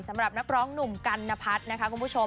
สำหรับนักร้องหนุ่มกันนพัฒน์นะคะคุณผู้ชม